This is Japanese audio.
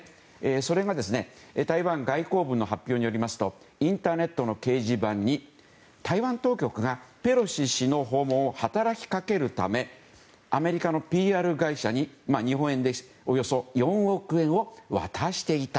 それが台湾外交部の発表によりますとインターネットの掲示板に台湾当局がペロシ氏の訪問を働きかけるためアメリカのＰＲ会社に日本円でおよそ４億円を渡していた。